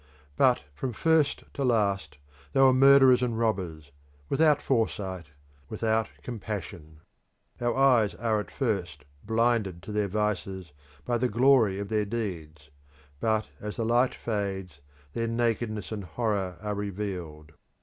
But from first to last they were murderers and robbers, without foresight, without compassion. Our eyes are at first blinded to their vices by the glory of their deeds; but as the light fades, their nakedness and horror are revealed.